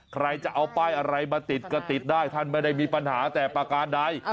ใครจะเอาป้ายอะไรมาติดก็ติดได้ท่านไม่ได้มีปัญหาแต่ประการใด